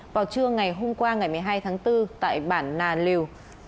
vào trưa ngày hôm qua ngày một mươi hai tháng bốn tại bản nà liều